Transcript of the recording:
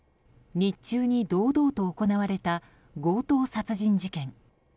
日中に堂々と行われた強盗殺人事件。